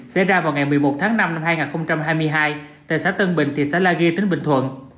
xảy ra vào ngày một mươi một tháng năm năm hai nghìn hai mươi hai tại xã tân bình thị xã la ghi tỉnh bình thuận